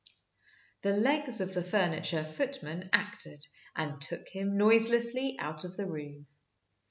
The legs of the furniture footman acted, and took him noiselessly out of the room.